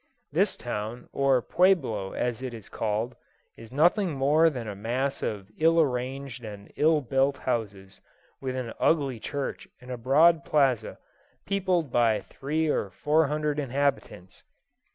This town, or pueblo as it is called, is nothing more than a mass of ill arranged and ill built houses, with an ugly church and a broad plaza, peopled by three or four hundred inhabitants.